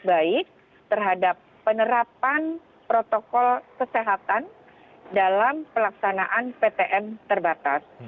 baik terhadap penerapan protokol kesehatan dalam pelaksanaan ptm terbatas